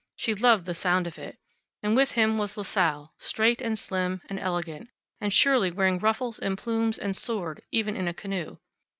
She loved the sound of it. And with him was La Salle, straight, and slim, and elegant, and surely wearing ruffles and plumes and sword even in a canoe.